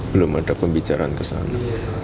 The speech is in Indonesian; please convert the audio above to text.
belum ada pembicaraan ke sana